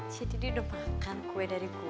jadi dia udah makan kue dari gue